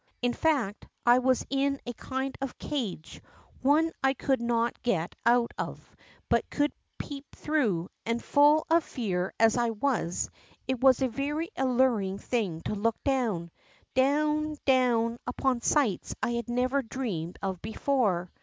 In fact, I was in a kind of cage, one I could not get out of, but could peep through, and full of fear as I was, if was a very alluring thing to look down, down, down, upon sights I had never dreamed of before.